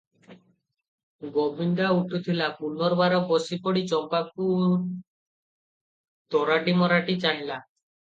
ଗୋବିନ୍ଦା ଉଠୁଥିଲା, ପୁନର୍ବାର ବସିପଡ଼ି ଚମ୍ପାକୁ ତରାଟିମରାଟି ଚାହିଁଲା ।